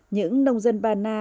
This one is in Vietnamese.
những nông dân ba na